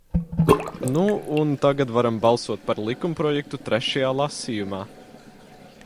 Nu un tagad varam balsot par likumprojektu trešajā lasījumā!